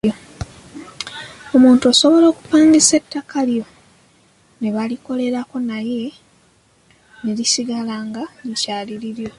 Omuntu osobola okupangisa ettaka lyo ne balikolerako naye ne lisigala nga likyali liryo.